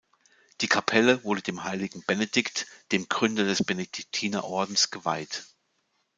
Die Kapelle wurde dem Heiligen Benedikt, dem Gründer des Benediktinerordens geweiht.